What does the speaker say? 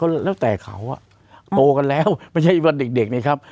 ก็แล้วแต่เขาอ่ะโตกันแล้วไม่ใช่แบบเด็กเด็กเนี่ยครับ